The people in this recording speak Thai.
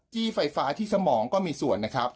ไฟฟ้าที่สมองก็มีส่วนนะครับ